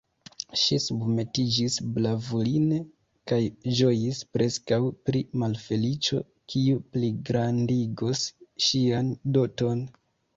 Ŝi submetiĝis bravuline, kaj ĝojis preskaŭ pri malfeliĉo, kiu pligrandigos ŝian doton.